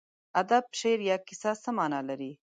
ادب، شعر یا کیسه څه مانا لري.